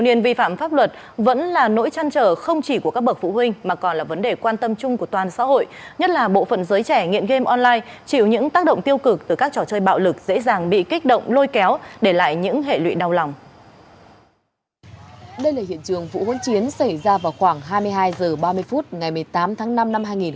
đây là hiện trường vụ huấn chiến xảy ra vào khoảng hai mươi hai h ba mươi phút ngày một mươi tám tháng năm năm hai nghìn một mươi tám